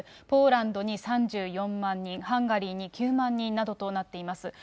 ポーランドに３４万人、ハンガリーに９万人などとなっています。